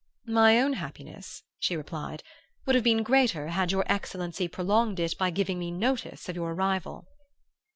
"'My own happiness,' she replied, 'would have been greater had your excellency prolonged it by giving me notice of your arrival.